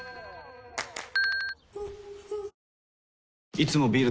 いつもビール